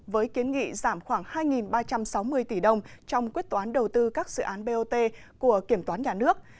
với kiến nghị giảm khoảng hai ba trăm sáu mươi tỷ đồng trong quyết toán đầu tư các dự án bot của kiểm toán nhà nước